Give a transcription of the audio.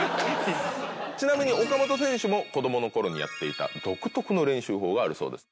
ちなみに岡本選手も子供の頃にやっていた独特の練習法があるそうです。